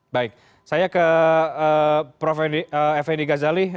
baik saya ke prof effendi ghazali